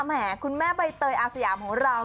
แหมคุณแม่ใบเตยอาสยามของเรา